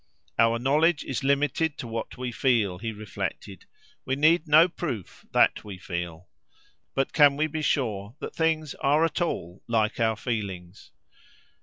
Our knowledge is limited to what we feel, he reflected: we need no proof that we feel. But can we be sure that things are at all like our feelings?